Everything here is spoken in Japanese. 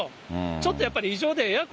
ちょっとやっぱり異常で、エアコ